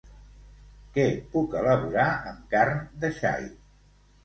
Què puc elaborar amb carn de xai?